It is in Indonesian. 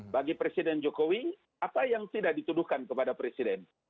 bagi presiden jokowi apa yang tidak dituduhkan kepada presiden